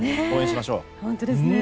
応援しましょう。